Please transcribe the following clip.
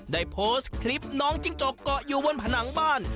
ได้โพสต์คลิปน้องจิ้งจกเกาะอยู่บนผนังบ้าน